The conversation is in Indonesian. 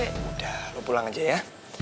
ini udah lo pulang aja ya